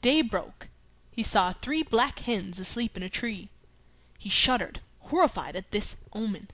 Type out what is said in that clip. Day broke. He saw three black hens asleep in a tree. He shuddered, horrified at this omen.